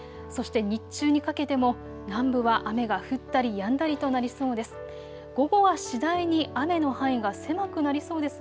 そして日中にかけても南部は雨が降ったりやんだりとなりそうです。